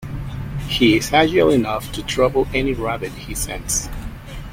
He is agile enough to trouble any rabbit he scents.